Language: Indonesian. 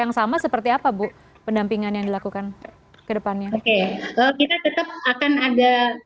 yang sama seperti apa bu pendampingan yang dilakukan kedepannya oke kita tetap akan ada